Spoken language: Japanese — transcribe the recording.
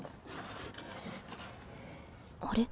あれ？